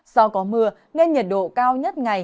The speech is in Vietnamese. do có mưa nên nhiệt độ cao nhất ngày